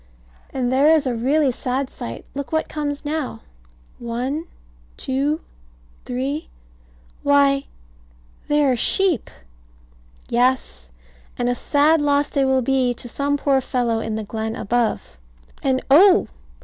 And there is a really sad sight. Look what comes now. One two three. Why, they are sheep. Yes. And a sad loss they will be to some poor fellow in the glen above. And oh!